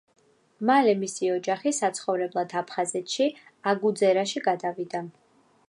მალე მისი ოჯახი საცხოვრებლად აფხაზეთში, აგუძერაში გადავიდა.